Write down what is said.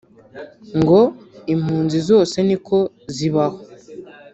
ngo impunzi zose niko zibaho